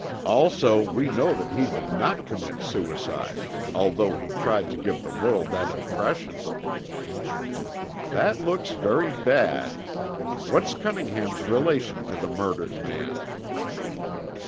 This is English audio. "Also we know that he did not commit suicide although he tried to give the world that impression." "That looks very bad. What's Cunningham's relation to the murdered man?"